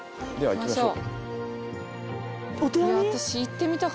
行きましょう。